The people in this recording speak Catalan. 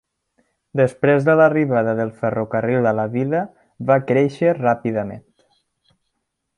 Després de l'arribada del ferrocarril la vila va créixer ràpidament.